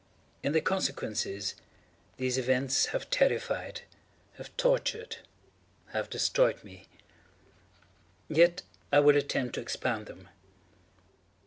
In their consequences, these events have terrified—have tortured—have destroyed me. Yet I will not attempt to expound them.